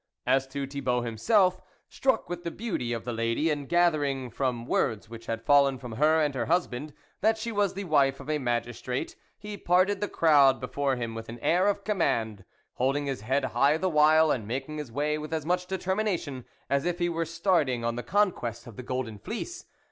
As to Thibault himself, struck with the beauty of the lady, and gathering from words which had fallen from her and her husband, that she was the wife of a magistrate, he parted the crowd before him with an air of command, holding his head high the while, and making his waj THE WOLF LEADER 55 with as much determination as if he were starting on the conquest of the Golden Fleece.